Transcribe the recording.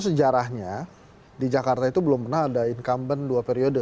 sejarahnya di jakarta itu belum pernah ada incumbent dua periode